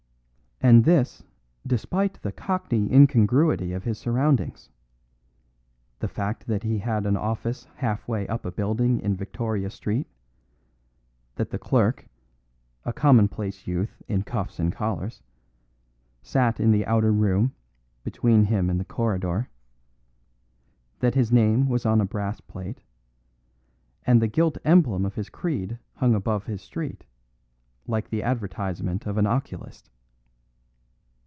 And this despite the cockney incongruity of his surroundings; the fact that he had an office half way up a building in Victoria Street; that the clerk (a commonplace youth in cuffs and collars) sat in the outer room, between him and the corridor; that his name was on a brass plate, and the gilt emblem of his creed hung above his street, like the advertisement of an oculist.